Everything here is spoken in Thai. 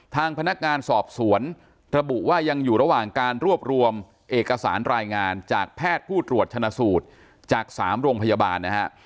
ทางพนักงานสอบสวนระบุว่ายังอยู่ระหว่างการรวบรวมเอกสารรายงานจากแพทย์ผู้ตรวจชนะสูตรจาก๓โรงพยาบาลนะฮะ